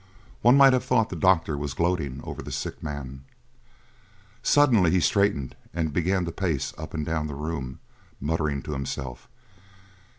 One might have thought that the doctor was gloating over the sick man. Suddenly he straightened and began to pace up and down the room, muttering to himself.